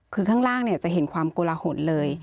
คือข้างล่างเนี่ยจะเห็นความกลโลหลเลย